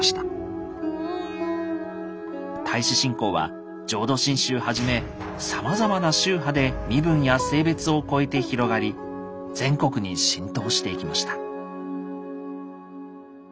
太子信仰は浄土真宗はじめさまざまな宗派で身分や性別を超えて広がり全国に浸透していきました。